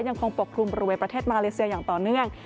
ยังคงปกคลุมบริเวณประเทศมาเลเซียอย่างต่อเนื่อง